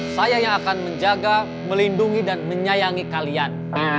saya yang akan menjaga melindungi dan menyayangi kalian